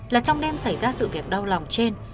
là trong đêm xảy ra sự việc đau lòng trên